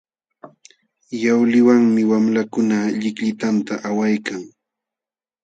Yawliwanmi wamlakuna llikllitanta awaykan.